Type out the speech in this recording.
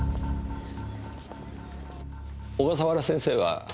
小笠原先生は？